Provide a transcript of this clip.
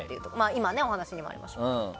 今お話にもありましたけど。